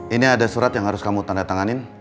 ini ada surat yang harus kamu tandatanganin